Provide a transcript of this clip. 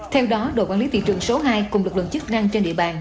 theo đó đội quản lý thị trường số hai cùng lực lượng chức năng trên địa bàn